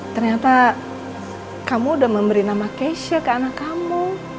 ternyata kamu udah memberi nama keisha ke anak kamu